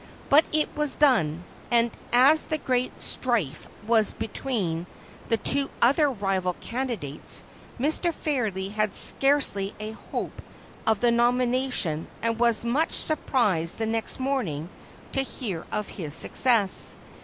But it was done; and as the great strife was between the two other rival candidates, Mr. Ferry had scarcely a hope of the nomination and was much surprised the next morning to hear of his success.